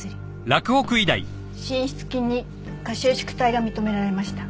心室筋に過収縮帯が認められました。